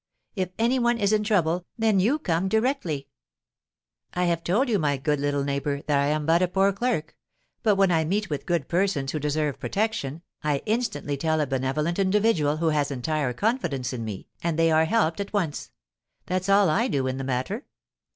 If any one is in trouble, then you come directly." "I have told you, my good little neighbour, that I am but a poor clerk; but when I meet with good persons who deserve protection, I instantly tell a benevolent individual who has entire confidence in me, and they are helped at once. That's all I do in the matter."